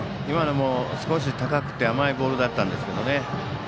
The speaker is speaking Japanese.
今のも少し高くて甘いボールだったんですけどね。